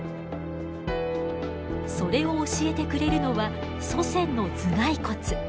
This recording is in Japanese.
それを教えてくれるのは祖先の頭蓋骨。